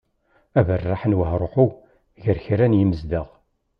Aberreḥ s wahruḥu gar kra n yimezdaɣ